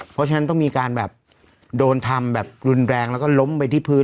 เพราะฉะนั้นต้องมีการแบบโดนทำแบบรุนแรงแล้วก็ล้มไปที่พื้น